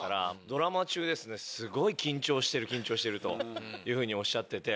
ドラマ中すごい緊張してるというふうにおっしゃってて。